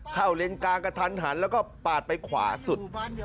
เลนกลางกระทันหันแล้วก็ปาดไปขวาสุด